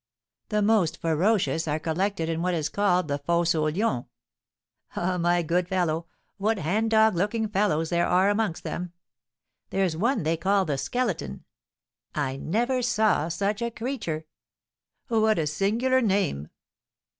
The most ferocious are collected in what is called the Fosse aux Lions. Ah, my good fellow, what hang dog looking fellows there are amongst them. There's one they call the Skeleton, I never saw such a creature." "What a singular name!"